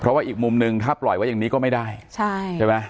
เพราะว่าอีกมุมนึงถ้าปล่อยไว้อย่างนี้ก็ไม่ได้ใช่ใช่ไหม